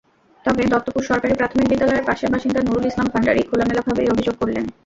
তবে দত্তপুর সরকারি প্রাথমিক বিদ্যালয়ের পাশের বাসিন্দা নুরুল ইসলাম ভান্ডারি খোলামেলাভাবেই অভিযোগ করলেন।